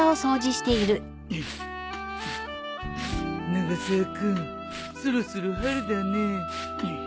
永沢君そろそろ春だねえ。